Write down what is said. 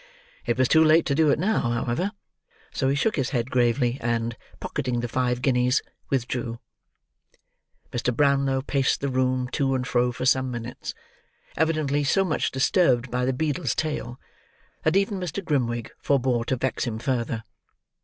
It was too late to do it now, however; so he shook his head gravely, and, pocketing the five guineas, withdrew. Mr. Brownlow paced the room to and fro for some minutes; evidently so much disturbed by the beadle's tale, that even Mr. Grimwig forbore to vex him further.